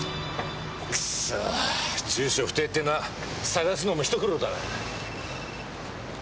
くっそ住所不定ってのは捜すのも一苦労だな。